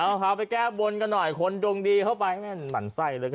เอาพาไปแก้บนกันหน่อยคนดวงดีเข้าไปแม่นหมั่นไส้เหลือเกิน